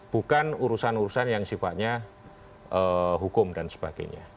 bukan urusan urusan yang sifatnya hukum dan sebagainya